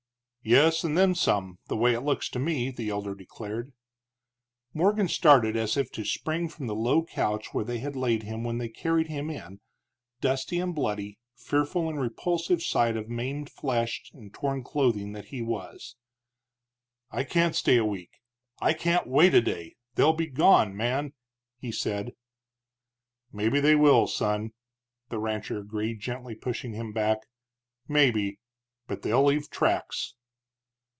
"Yes, and then some, the way it looks to me," the elder declared. Morgan started as if to spring from the low couch where they had laid him when they carried him in, dusty and bloody, fearful and repulsive sight of maimed flesh and torn clothing that he was. "I can't stay a week I can't wait a day! They'll be gone, man!" he said. "Maybe they will, son," the rancher agreed, gently pushing him back; "maybe. But they'll leave tracks."